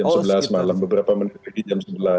jam sebelas malam beberapa menit lagi jam sebelas